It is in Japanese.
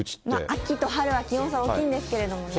秋と春は気温差大きいんですけれどもね。